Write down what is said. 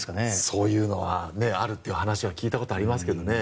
そういうのはあるという話は聞いたことありますけどね。